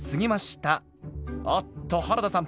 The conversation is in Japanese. おっと原田さん